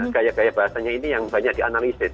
gaya gaya bahasanya ini yang banyak dianalisis